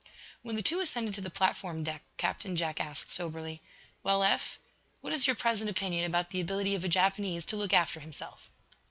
When the two ascended to the platform deck Captain Jack asked, soberly: "Well, Eph, what is your present opinion about the ability of a Japanese to look after himself?"